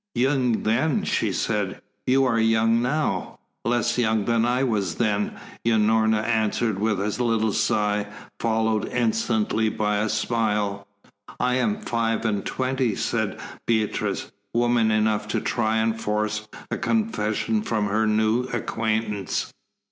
"Young then!" she exclaimed. "You are young now!" "Less young than I was then," Unorna answered with a little sigh, followed instantly by a smile. "I am five and twenty," said Beatrice, woman enough to try and force a confession from her new acquaintance.